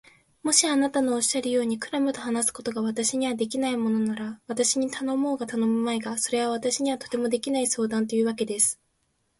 もしあなたのおっしゃるように、クラムと話すことが私にはできないものなら、私に頼もうが頼むまいが、それは私にはとてもできない相談というわけです。